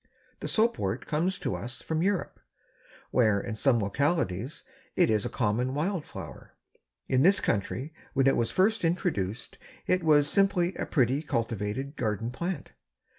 The Soapwort comes to us from Europe, where in some localities it is a common wild flower. In this country when it was first introduced it was simply a pretty cultivated garden plant.